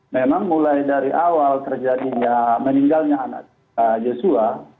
memang mulai dari awal terjadinya meninggalnya anak joshua